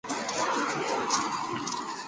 其一般栖息于岩礁以及珊瑚丛附近海区。